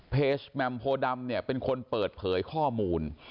แมมโพดำเนี่ยเป็นคนเปิดเผยข้อมูล